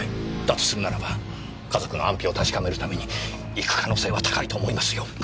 とするならば家族の安否を確かめるために行く可能性は高いと思いますよ。